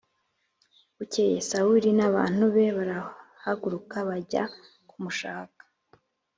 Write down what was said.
Bukeye Sawuli n’abantu be barahaguruka bajya kumushaka